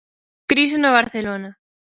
Crise no Barcelona.